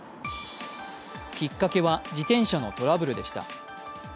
きっかけは自転車のトラブルでした。